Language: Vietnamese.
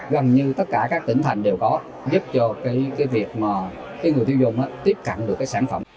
gần như tất cả các tỉnh thành đều có giúp cho việc người tiêu dùng tiếp cận được sản phẩm